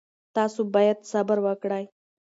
تاسو باید صبر وکړئ.